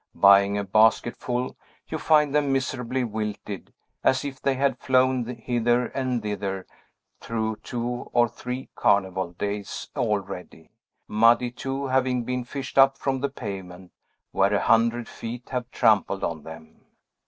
Buying a basketful, you find them miserably wilted, as if they had flown hither and thither through two or three carnival days already; muddy, too, having been fished up from the pavement, where a hundred feet have trampled on them.